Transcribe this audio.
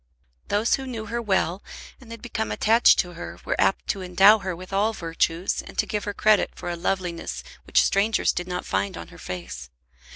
Those who knew her well, and had become attached to her, were apt to endow her with all virtues, and to give her credit for a loveliness which strangers did not find on her face.